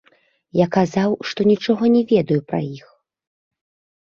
Я сказаў, што нічога не ведаю пра іх.